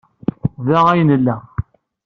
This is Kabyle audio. Da ay nella.